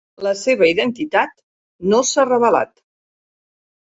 La seva identitat no s'ha revelat.